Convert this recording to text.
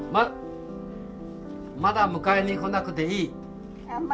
まだ迎えに来なくていい。